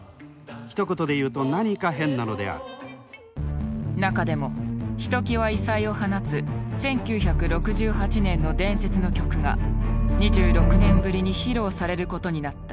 ひと言でいうと何か変なのである中でもひときわ異彩を放つ１９６８年の伝説の曲が２６年ぶりに披露されることになった。